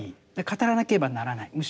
語らなければならないむしろ。